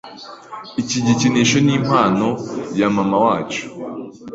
Iki gikinisho nimpano ya mamawacu.